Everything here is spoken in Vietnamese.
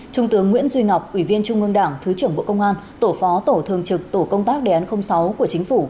trung tướng nguyễn duy ngọc ủy viên trung ương đảng thứ trưởng bộ công an tổ phó tổ thường trực tổ công tác đề án sáu của chính phủ